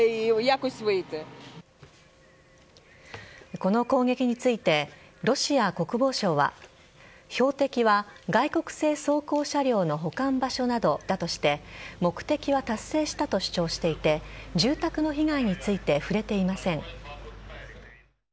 この攻撃についてロシア国防省は標的は、外国製装甲車両の保管場所などだとして目的は達成したと主張していて住宅の被害について触れていません。